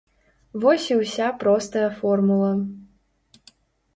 Вось і ўся простая формула.